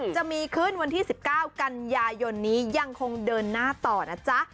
จะมีขึ้นวันที่๑๙กันยายนนี้ยังคงเดินหน้าต่อนะจ๊ะ